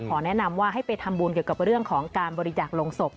แนะนำว่าให้ไปทำบุญเกี่ยวกับเรื่องของการบริจาคลงศพ